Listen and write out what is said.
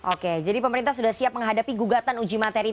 oke jadi pemerintah sudah siap menghadapi gugatan uji materi